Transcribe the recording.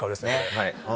はい。